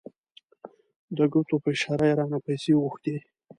د ګوتو په اشاره یې رانه پیسې وغوښتې.